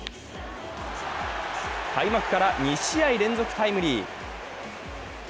開幕から２試合連続タイムリー。